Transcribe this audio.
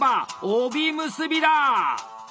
帯結びだ！